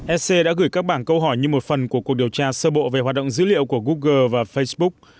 sc đã gửi các bảng câu hỏi như một phần của cuộc điều tra sơ bộ về hoạt động dữ liệu của google và facebook